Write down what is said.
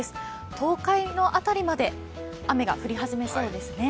東海の辺りまで雨が降り始めそうです。